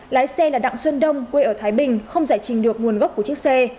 lái xe là đặng xuân đông quê ở thái bình không giải trình được nguồn gốc của chiếc xe